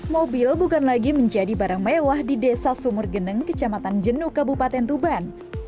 mobil bukan lagi menjadi barang mewah di desa sumur geneng kecamatan jenuh kabupaten tuban